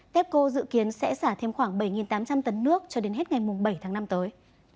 tepco dự kiến sẽ xả thêm khoảng bảy tám trăm linh tấn nước cho đến hết ngày bảy tháng năm tới